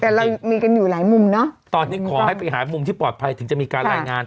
แต่เรามีกันอยู่หลายมุมเนอะตอนนี้ขอให้ไปหามุมที่ปลอดภัยถึงจะมีการรายงาน